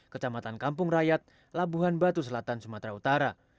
kecamatan kampung rakyat labuhan batu selatan sumatera utara